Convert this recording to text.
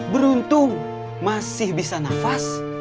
beruntung masih bisa nafas